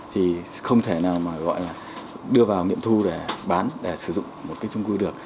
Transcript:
thì không thể nào mà gọi là đưa vào nghiệm thu để bán để sử dụng một cái trung cư được